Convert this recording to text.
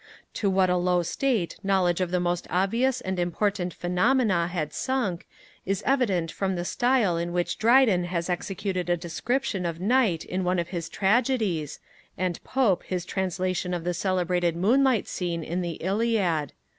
To what a low state knowledge of the most obvious and important phenomena had sunk, is evident from the style in which Dryden has executed a description of Night in one of his Tragedies, and Pope his translation of the celebrated moonlight scene in the Iliad.